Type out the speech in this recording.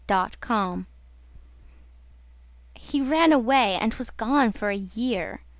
Mrs. Purkapile He ran away and was gone for a year.